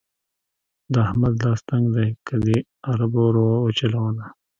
د احمد لاس تنګ دی؛ که دې اربه ور وچلوله.